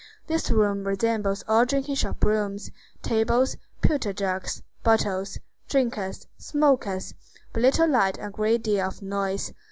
This room resembled all drinking shop rooms,—tables, pewter jugs, bottles, drinkers, smokers; but little light and a great deal of noise.